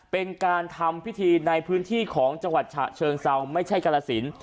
เป็นการทำพิธีในพื้นที่ของจังหวัดฉะเชิงเซาไม่ใช่กรสิน